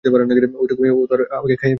ওইটুকু মেয়ে, ও তো আর তোমাকে খাইয়া ফেলিবে না।